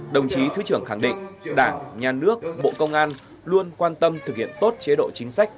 đồng chí thứ trưởng khẳng định đảng nhà nước bộ công an luôn quan tâm thực hiện tốt chế độ chính sách